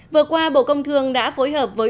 vừa qua bộ công thương đã phối hợp với